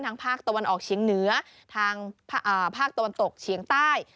ภาคตะวันออกเฉียงเหนือทางภาคตะวันตกเฉียงใต้